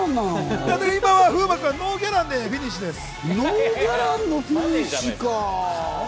菊池風磨君、ノーギャランでフィニッシュです。